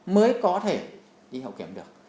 mới có thể đi hậu kiểm được